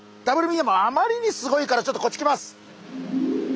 あまりにすごいからちょっとこっち来ます。